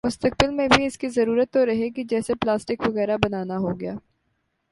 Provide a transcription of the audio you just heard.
مستقبل میں بھی اس کی ضرورت تو رہے ہی گی جیسے پلاسٹک وغیرہ بنا نا ہوگیا